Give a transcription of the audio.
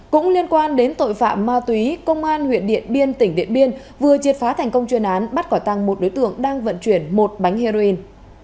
cũng liên quan đến tội phạm ma túy công an huyện điện biên tỉnh điện biên vừa triệt phá thành công chuyên án bắt quả tăng một đối tượng đang vận chuyển một bánh heroin